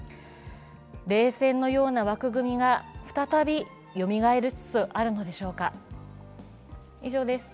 冷戦のような枠組みが再びよみがえりつつあるのでしょうか。